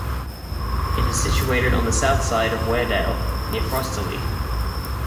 It is situated on the south side of Weardale, near Frosterley.